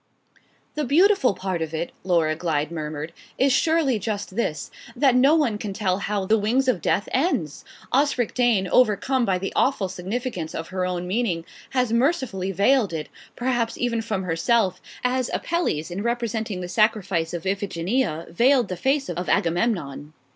"The beautiful part of it," Laura Glyde murmured, "is surely just this that no one can tell how 'The Wings of Death' ends. Osric Dane, overcome by the awful significance of her own meaning, has mercifully veiled it perhaps even from herself as Apelles, in representing the sacrifice of Iphigenia, veiled the face of Agamemnon."